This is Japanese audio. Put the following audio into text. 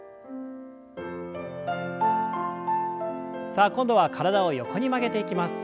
さあ今度は体を横に曲げていきます。